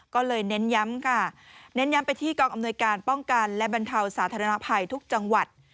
ก็เลยเน้นย้ำค่ะเน้นย้ำไปที่กองอำนวยการป้องกันและบรรเทาสาธารณภัยทุกจังหวัด